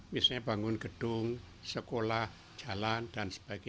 misalnya bangun gedung sekolah jalan dan sebagainya